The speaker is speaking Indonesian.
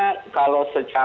jadi kalau kita berpikir pikir